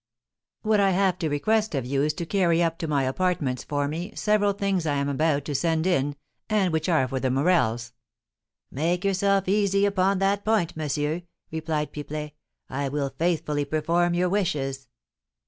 "What I have to request of you is to carry up to my apartments for me several things I am about to send in, and which are for the Morels." "Make yourself easy upon that point, monsieur," replied Pipelet. "I will faithfully perform your wishes."